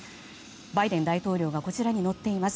バイデン大統領がこちらに乗っています。